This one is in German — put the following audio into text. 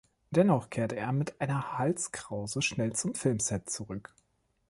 Dennoch kehrte er mit einer Halskrause schnell zum Filmset zurück.